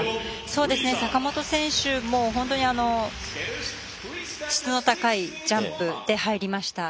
坂本選手、本当に質の高いジャンプで入りました。